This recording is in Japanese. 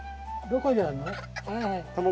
どこにあるの？